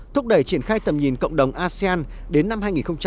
thúc đẩy triển khai tầm nhìn cộng đồng asean đến năm hai nghìn bốn mươi năm